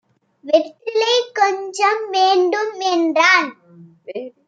"வெற்றிலை கொஞ்சம் வேண்டும்" என்றான்.